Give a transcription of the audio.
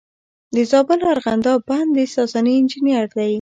د زابل ارغنداب بند د ساساني انجینر دی